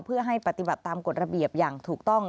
เพื่อให้ปฏิบัติตามกฎระเบียบอย่างถูกต้อง